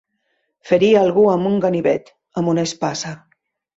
Ferir algú amb un ganivet, amb una espasa.